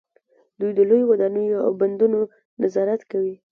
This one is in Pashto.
دوی د لویو ودانیو او بندونو نظارت کوي.